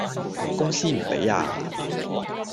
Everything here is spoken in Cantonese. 公司唔畀呀